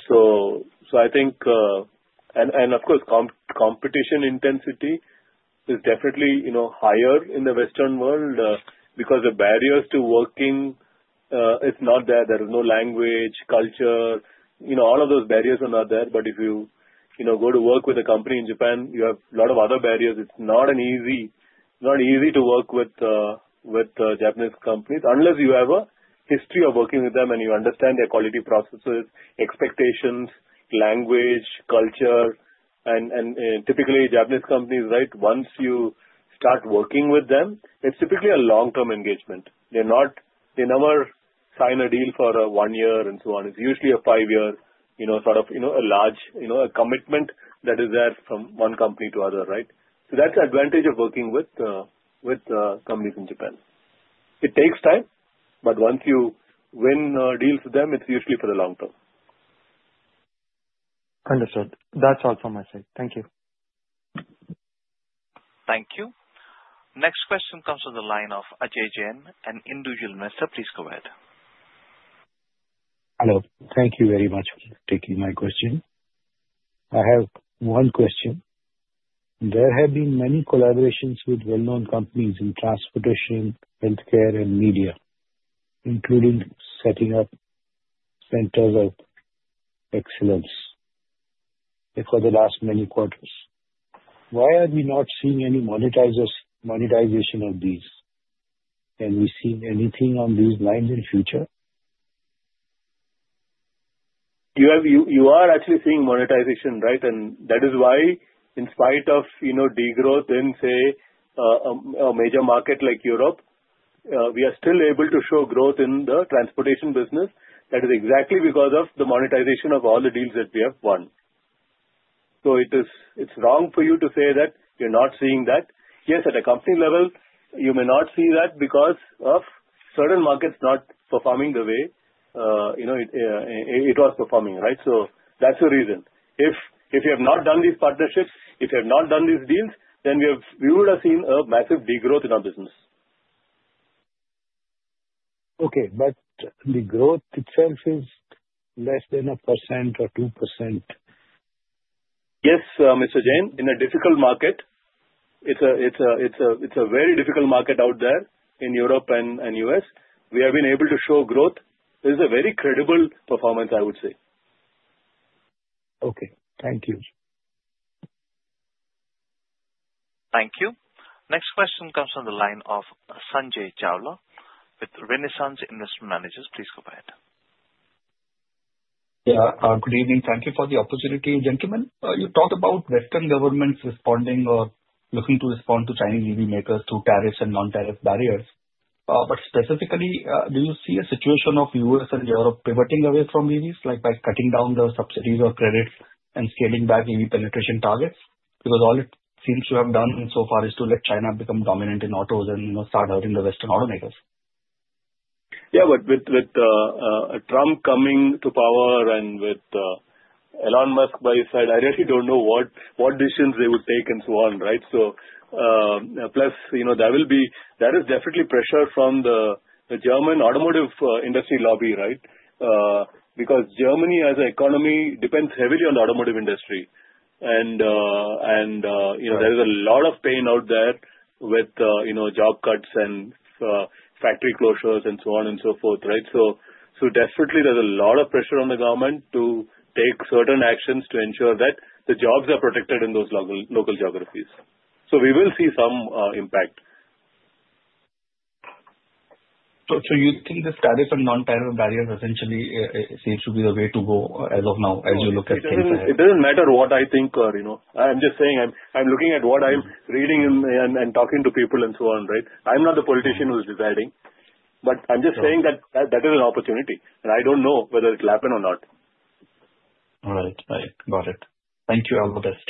So I think, and of course, competition intensity is definitely higher in the Western world because the barriers to working is not there. There is no language, culture. All of those barriers are not there. But if you go to work with a company in Japan, you have a lot of other barriers. It's not easy to work with Japanese companies unless you have a history of working with them and you understand their quality processes, expectations, language, culture, and typically, Japanese companies, right, once you start working with them, it's typically a long-term engagement. They never sign a deal for one year and so on. It's usually a five-year sort of a large commitment that is there from one company to other, right, so that's the advantage of working with companies in Japan. It takes time, but once you win deals with them, it's usually for the long term. Understood. That's all from my side. Thank you. Thank you. Next question comes from the line of Ajay Jain, an individual investor. Please go ahead. Hello. Thank you very much for taking my question. I have one question. There have been many collaborations with well-known companies in transportation, healthcare, and media, including setting up centers of excellence for the last many quarters. Why are we not seeing any monetization of these? Can we see anything on these lines in the future? You are actually seeing monetization, right? And that is why, in spite of degrowth in, say, a major market like Europe, we are still able to show growth in the transportation business. That is exactly because of the monetization of all the deals that we have won. So it's wrong for you to say that you're not seeing that. Yes, at a company level, you may not see that because of certain markets not performing the way it was performing, right? So that's the reason. If you have not done these partnerships, if you have not done these deals, then we would have seen a massive degrowth in our business. Okay. But the growth itself is less than 1% or 2%? Yes, Mr. Jain. In a difficult market. It's a very difficult market out there in Europe and U.S. We have been able to show growth. It is a very credible performance, I would say. Okay. Thank you. Thank you. Next question comes from the line of Sanjay Chawla with Renaissance Investment Managers. Please go ahead. Yeah. Good evening. Thank you for the opportunity, gentlemen. You talked about Western governments responding or looking to respond to Chinese EV makers through tariffs and non-tariff barriers. But specifically, do you see a situation of U.S. and Europe pivoting away from EVs, like by cutting down the subsidies or credits and scaling back EV penetration targets? Because all it seems to have done so far is to let China become dominant in autos and start hurting the Western automakers. Yeah. With Trump coming to power and with Elon Musk by his side, I really don't know what decisions they would take and so on, right? So plus, there is definitely pressure from the German automotive industry lobby, right? Because Germany, as an economy, depends heavily on the automotive industry. And there is a lot of pain out there with job cuts and factory closures and so on and so forth, right? So definitely, there's a lot of pressure on the government to take certain actions to ensure that the jobs are protected in those local geographies. So we will see some impact. So you think the tariff and non-tariff barriers essentially seem to be the way to go as of now, as you look at things? It doesn't matter what I think or I'm just saying I'm looking at what I'm reading and talking to people and so on, right? I'm not the politician who's deciding, but I'm just saying that that is an opportunity, and I don't know whether it'll happen or not. All right. All right. Got it. Thank you. All the best.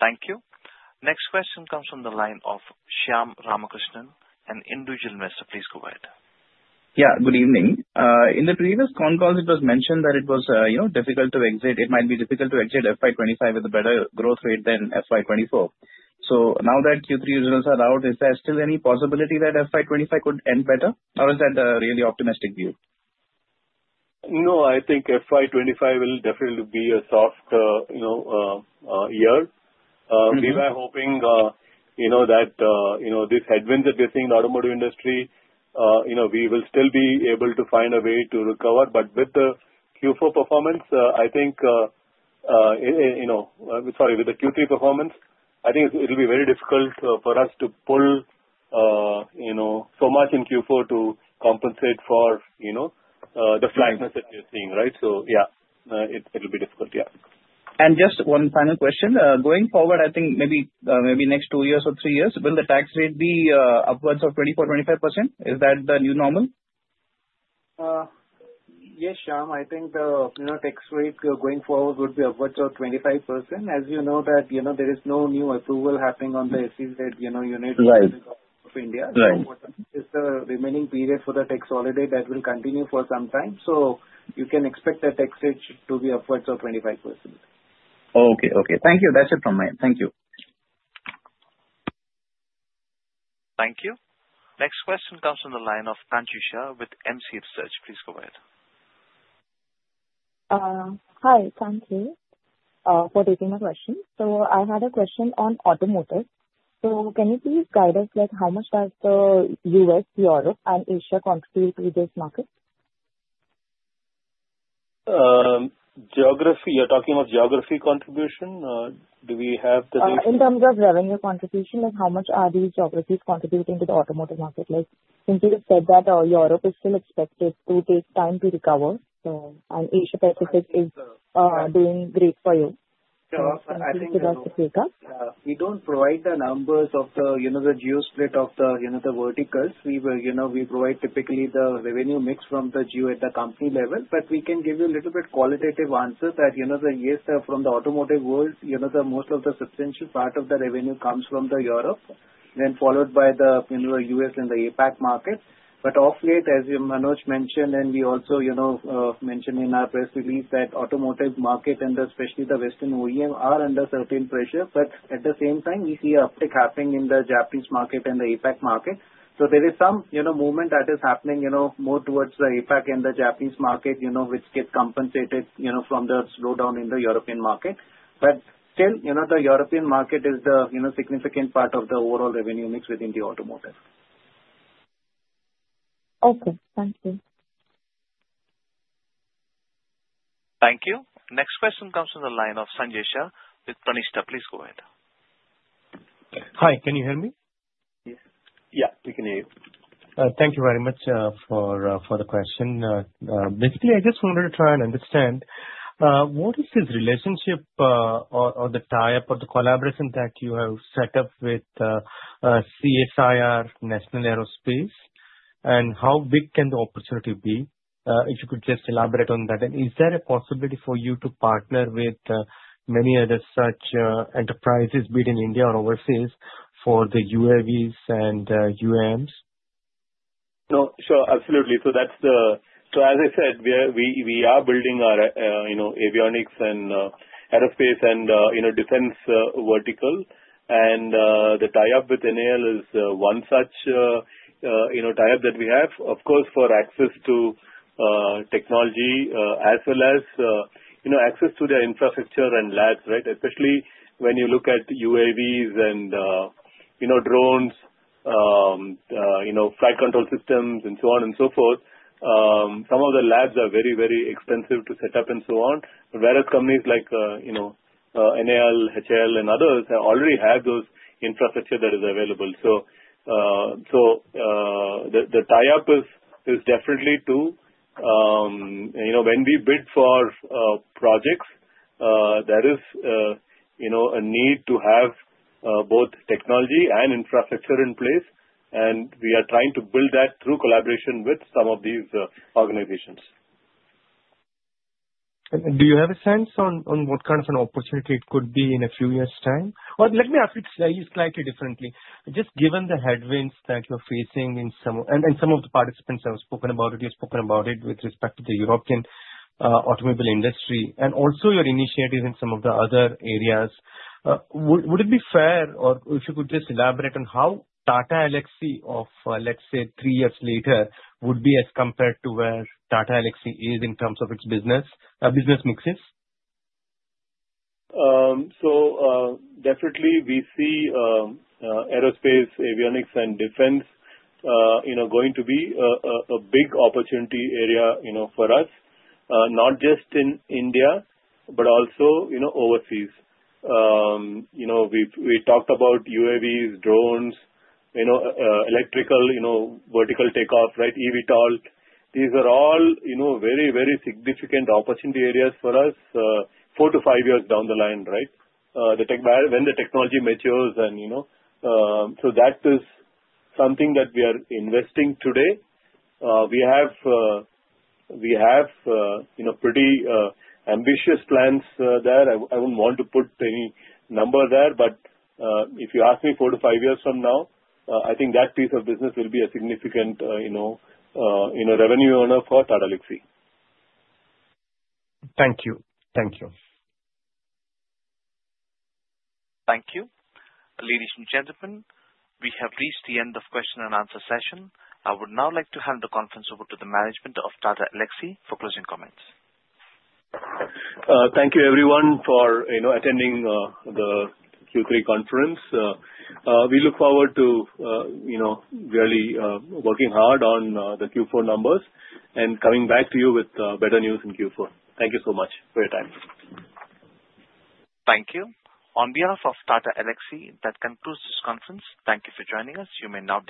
Thank you. Next question comes from the line of Shyam Ramakrishnan, an individual investor. Please go ahead. Yeah. Good evening. In the previous con calls, it was mentioned that it was difficult to exit. It might be difficult to exit FY 2025 with a better growth rate than FY 2024. So now that Q3 results are out, is there still any possibility that FY 2025 could end better, or is that a really optimistic view? No, I think FY 2025 will definitely be a soft year. We were hoping that these headwinds that we're seeing in the automotive industry, we will still be able to find a way to recover. But with the Q4 performance, I think sorry, with the Q3 performance, I think it'll be very difficult for us to pull so much in Q4 to compensate for the flatness that we're seeing, right? So yeah, it'll be difficult. Yeah. And just one final question. Going forward, I think maybe next two years or three years, will the tax rate be upwards of 24%-25%? Is that the new normal? Yes, Shyam. I think the tax rate going forward would be upwards of 25%. As you know, there is no new approval happening on the SEZ unit of India. So the remaining period for the tax holiday, that will continue for some time. So you can expect the tax rate to be upwards of 25%. Okay. Okay. Thank you. That's it from my end. Thank you. Thank you. Next question comes from the line of Kanchi Shah with MC Research. Please go ahead. Hi. Thank you for taking my question. So I had a question on automotive. So can you please guide us how much does the U.S., Europe, and Asia contribute to this market? Geography. You're talking about geography contribution? Do we have the data? In terms of revenue contribution, how much are these geographies contributing to the automotive market? Since you said that Europe is still expected to take time to recover, and Asia-Pacific is doing great for you. Yeah. I think. I think it was Ajay's question. We don't provide the numbers of the geo-split of the verticals. We provide typically the revenue mix from the geo at the company level. But we can give you a little bit qualitative answer that the yes, from the automotive world, most of the substantial part of the revenue comes from Europe, then followed by the U.S. and the APAC market. But of late, as Manoj mentioned, and we also mentioned in our press release that the automotive market, and especially the Western OEM, are under certain pressure. But at the same time, we see an uptick happening in the Japanese market and the APAC market. So there is some movement that is happening more towards the APAC and the Japanese market, which gets compensated from the slowdown in the European market. But still, the European market is the significant part of the overall revenue mix within the automotive. Okay. Thank you. Thank you. Next question comes from the line of Sanjay Shah with Pranishta. Please go ahead. Hi. Can you hear me? Yes. Yeah. We can hear you. Thank you very much for the question. Basically, I just wanted to try and understand what is this relationship or the tie-up or the collaboration that you have set up with CSIR, National Aerospace, and how big can the opportunity be? If you could just elaborate on that, and is there a possibility for you to partner with many other such enterprises within India or overseas for the UAVs and UAMs? No. Sure. Absolutely. So as I said, we are building our avionics and aerospace and defense vertical. And the tie-up with NAL is one such tie-up that we have, of course, for access to technology as well as access to their infrastructure and labs, right? Especially when you look at UAVs and drones, flight control systems, and so on and so forth, some of the labs are very, very expensive to set up and so on. Whereas companies like NAL, HAL, and others already have those infrastructures that are available. So the tie-up is definitely to when we bid for projects, there is a need to have both technology and infrastructure in place. And we are trying to build that through collaboration with some of these organizations. Do you have a sense on what kind of an opportunity it could be in a few years' time? Or let me ask it slightly differently. Just given the headwinds that you're facing in some and some of the participants have spoken about it. You've spoken about it with respect to the European automobile industry and also your initiatives in some of the other areas. Would it be fair or if you could just elaborate on how Tata Elxsi, of let's say three years later, would be as compared to where Tata Elxsi is in terms of its business mix? So definitely, we see aerospace, avionics, and defense going to be a big opportunity area for us, not just in India, but also overseas. We talked about UAVs, drones, electrical vertical take-off, right? eVTOL. These are all very, very significant opportunity areas for us four to five years down the line, right? When the technology matures. And so that is something that we are investing today. We have pretty ambitious plans there. I wouldn't want to put any number there. But if you ask me four to five years from now, I think that piece of business will be a significant revenue owner for Tata Elxsi. Thank you. Thank you. Thank you. Ladies and gentlemen, we have reached the end of the question-and-answer session. I would now like to hand the conference over to the management of Tata Elxsi for closing comments. Thank you, everyone, for attending the Q3 conference. We look forward to really working hard on the Q4 numbers and coming back to you with better news in Q4. Thank you so much for your time. Thank you. On behalf of Tata Elxsi, that concludes this conference. Thank you for joining us. You may now.